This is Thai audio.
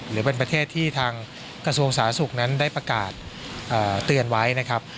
หรือเป็นประเทศที่ทางกระทรวงสาธารณสุขนั้นได้ประกาศเตือนไว้นะครับ